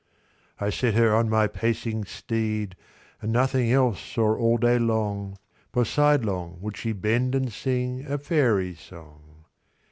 VI.I set her on my pacing steed, And nothing else saw all day long, For sidelong would she bend, and singA faery's song.